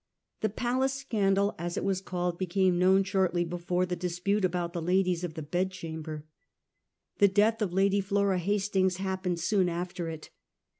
The ' Palace scandal,' as it was called, became known shortly before the dispute about the ladies of the bedchamber. The death of Lady Flora Hastings happened soon after it.